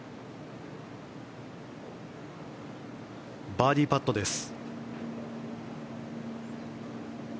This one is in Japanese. バーディーパットです。